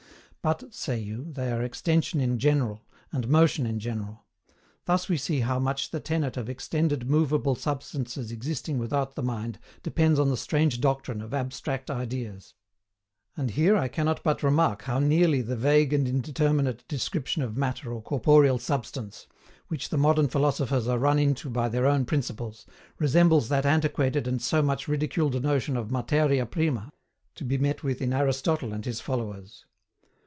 But, say you, they are extension in general, and motion in general: thus we see how much the tenet of extended movable substances existing without the mind depends on the strange doctrine of ABSTRACT IDEAS. And here I cannot but remark how nearly the vague and indeterminate description of Matter or corporeal substance, which the modern philosophers are run into by their own principles, resembles that antiquated and so much ridiculed notion of MATERIA PRIMA, to be met with in Aristotle and his followers.